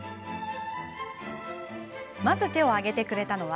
まず手を挙げてくれたのは。